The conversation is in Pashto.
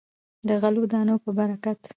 د غلو دانو په برکت.